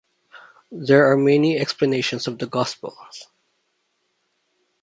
There are many explanations of the gospel.